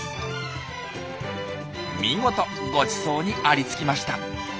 見事ごちそうにありつきました。